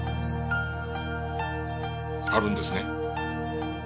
あるんですね？